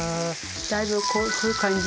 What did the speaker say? だいぶこういう感じ。